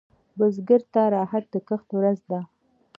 بزګر ته راحت د کښت ورځ ده